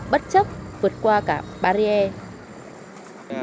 bất chấp vượt qua cả barrier